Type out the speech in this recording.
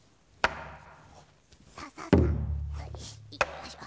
よいしょ。